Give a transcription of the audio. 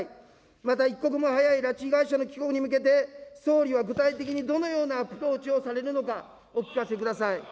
また、一刻も早い拉致被害者の帰国に向けて、総理は具体的にどのようなアプローチをされるのか、お聞かせください。